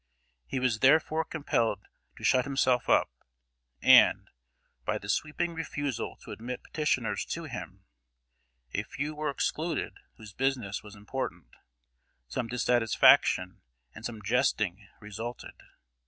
He was therefore compelled to shut himself up, and, by the sweeping refusal to admit petitioners to him, a few were excluded whose business was important. Some dissatisfaction and some jesting resulted.